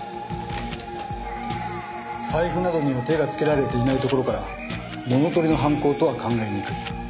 財布などには手がつけられていないところから物盗りの犯行とは考えにくい。